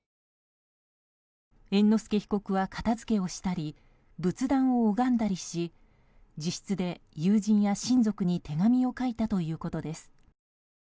猿之助被告は、片付けをしたり仏壇を拝んだりし自室で友人や親族に手紙を書いたということです。